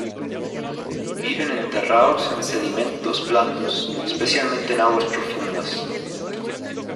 Viven enterrados en sedimentos blandos, especialmente en aguas profundas.